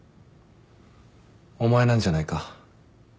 お前なんじゃないか？